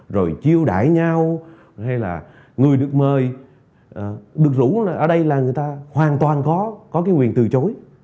rồi chiêu đải nhau hay là người được mời được rủ ở đây là người ta hoàn toàn có có cái quyền từ chối